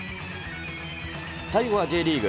最後はＪリーグ。